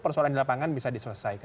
persoalan di lapangan bisa diselesaikan